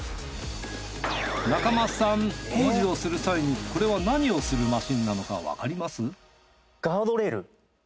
中間さん工事をする際にこれは何をするマシンなのかわかります？